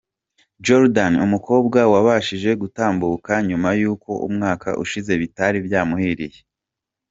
Jordan umukobwa wabashije gutambuka nyuma y'uko umwaka ushize bitari byamuhiriye.